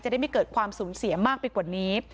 ได้ไม่เกิดความสูญเสียมากไปกว่านี้